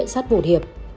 nhận xét vụt hiệp